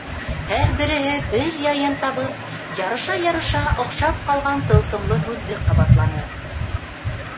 Һәр береһе бер яйын табып, ярыша-ярыша оҡшап ҡалған тылсымлы һүҙҙе ҡабатланы: